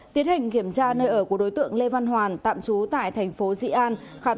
tiến hành kiểm tra nơi ở của đối tượng lê văn hoàn tạm trú tại thành phố dị an